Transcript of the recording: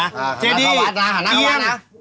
อ๋อหันหน้าวัดนะหันหน้าวัดนะ